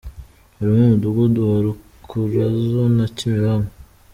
Harimo Umudugudu wa Rukurazo na Kimironko.